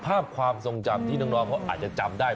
ภาพความทรงจำที่น้องเขาอาจจะจำได้